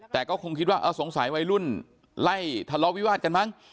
แต่ก็คงคิดว่าสงสัยวัยรุ่นไล่ทะเลาะวิวาดกันมั้ง